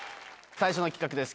最初の企画です